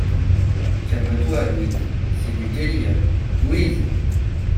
Calme-toi, Louise !… c'est du délire ! LOUISE.